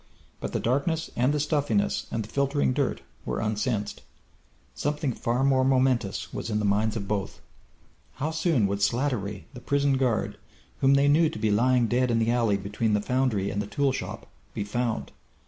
But the darkness and the stuffiness and the filtering dirt were unsensed. Something far more momentous was in the minds of both. How soon would Slattery, the prison guard, whom they knew to be lying dead in the alley between the foundry and the tool shop, be found?